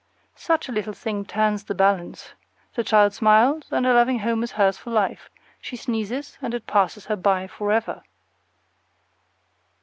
Such a little thing turns the balance! The child smiles, and a loving home is hers for life; she sneezes, and it passes her by forever.